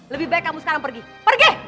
lebih baik kamu sekarang pergi pergi